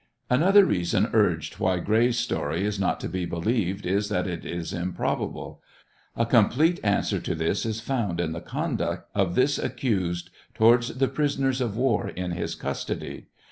Another reason urged why Gray's story is not to be believed is, that it is improbable. A complete answer to this is found in the conduct of this accused towards the prisoners of war in his custody.